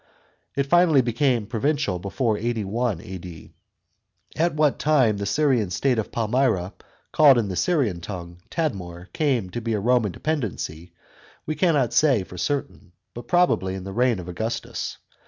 It finally became provincial before 81 A.D. At what time the Syrian state of Palmyra, called in the Syrian tongue Tadmor, came to be a Roman dependency, we cannot say for certain, but probably in the reign ot Augustus.